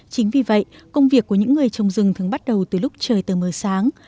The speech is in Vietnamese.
chính vì vậy công việc của những người trồng rừng thường bắt đầu từ lúc trời tờ mờ sáng